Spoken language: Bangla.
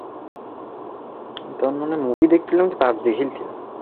কবিরাজ একধরনের তরল মালিশ করে শিশু মাহফুজুরের হাতে ব্যান্ডেজ করে দেন।